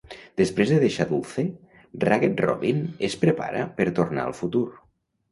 Després de deixar Dulce, Ragged Robin es prepara per tornar al futur.